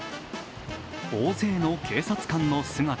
大勢の警察官の姿。